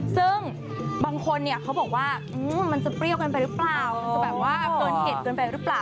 ซึ่งบางคนเนี่ยเขาบอกว่ามันจะเปรี้ยวกันไปหรือเปล่ามันจะแบบว่าเกินเห็ดเกินไปหรือเปล่า